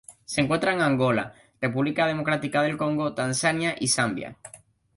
Se encuentra en Angola, República Democrática del Congo, Tanzania y Zambia.